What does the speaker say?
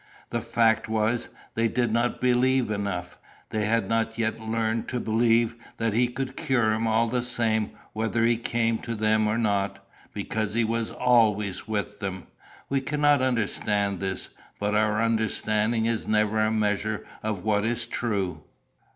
The fact was, they did not believe enough; they had not yet learned to believe that he could cure him all the same whether he came to them or not, because he was always with them. We cannot understand this; but our understanding is never a measure of what is true.